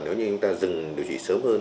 nếu như người ta dừng điều trị sớm hơn